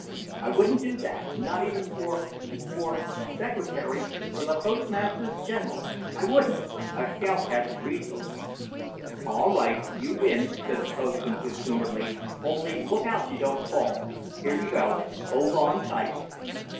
I wouldn't do that, not even for—for—secretary—for the postmaster general, I wouldn't! A scout has resource." "All right, you win," said the postman, good humoredly, "only look out you don't fall; here you go, hold on tight."